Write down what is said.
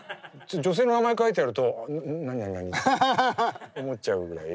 女性の名前書いてあると「何何何？」って思っちゃうぐらい。